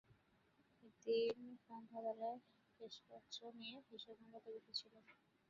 একদিন সন্ধ্যাবেলায় ক্যাশবাক্স নিয়ে হিসেব মেলাতে বসেছিলুম।